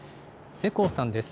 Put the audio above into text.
世耕さんです。